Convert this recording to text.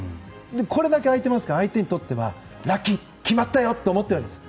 これだけ空いてますから相手にとっては、ラッキー決まったよと思うわけです。